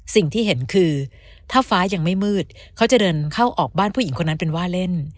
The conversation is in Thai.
สิ่งที่เห็นคือถ้าฟ้ายังไม่มืดเขาจะเดินเข้าออกบ้านผู้หญิงคนนั้นเป็นว่าเล่น